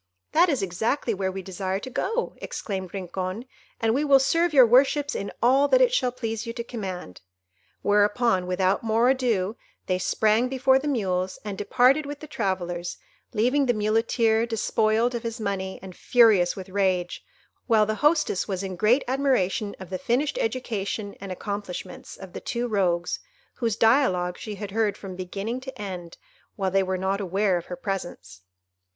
"That is exactly where we desire to go," exclaimed Rincon, "and we will serve your worships in all that it shall please you to command." Whereupon, without more ado, they sprang before the mules, and departed with the travellers, leaving the Muleteer despoiled of his money and furious with rage, while the hostess was in great admiration of the finished education and accomplishments of the two rogues, whose dialogue she had heard from beginning to end, while they were not aware of her presence.